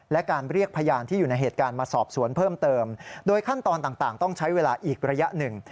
และการเรียกพยานที่อยู่ในเหตุการณ์มาสอบสวนเพิ่มเติมโดยขั้นตอนต่างต้องใช้เวลาอีกระยะหนึ่ง